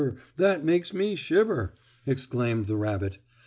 That makes me shiver!" exclaimed the rabbit.